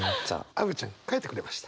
アヴちゃん書いてくれました。